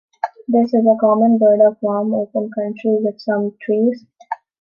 This is a common bird of warm open country with some trees.